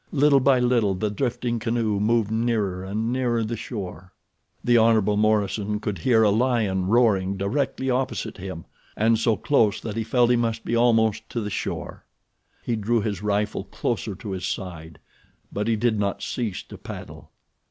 Little by little the drifting canoe moved nearer and nearer the shore. The Hon. Morison could hear a lion roaring directly opposite him and so close that he felt he must be almost to the shore. He drew his rifle closer to his side; but he did not cease to paddle.